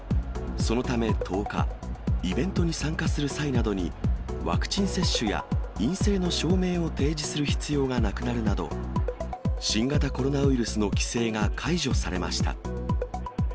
そのため１０日、イベントに参加する際などに、ワクチン接種や陰性の証明を提示する必要がなくなるなど、新型コロナウイルスの規制が解除されました。